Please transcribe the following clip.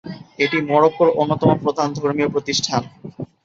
এটি মরক্কোর অন্যতম প্রধান ধর্মীয় প্রতিষ্ঠান।